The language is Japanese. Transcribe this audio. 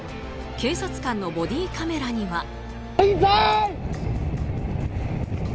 警察官のボディーカメラには。